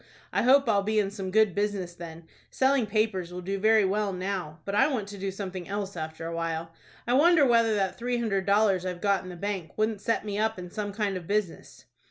"I hope I'll be in some good business then. Selling papers will do very well now, but I want to do something else after a while. I wonder whether that three hundred dollars I've got in the bank wouldn't set me up in some kind of business."